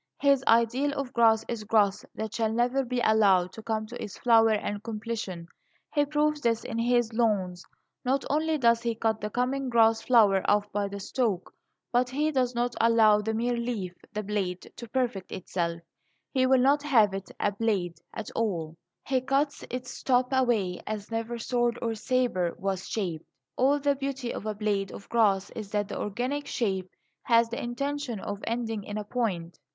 His ideal of grass is growth that shall never be allowed to come to its flower and completion. He proves this in his lawns. Not only does he cut the coming grass flower off by the stalk, but he does not allow the mere leaf the blade to perfect itself. He will not have it a "blade" at all; he cuts its top away as never sword or sabre was shaped. All the beauty of a blade of grass is that the organic shape has the intention of ending in a point.